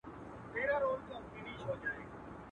د اور د پاسه اور دی سره ورک نه سو جانانه.